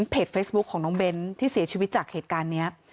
เพจเฟซบุ๊คของน้องเบ้นที่เสียชีวิตจากเหตุการณ์นี้